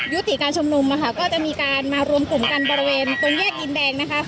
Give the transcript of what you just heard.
ติการชุมนุมนะคะก็จะมีการมารวมกลุ่มกันบริเวณตรงแยกดินแดงนะคะ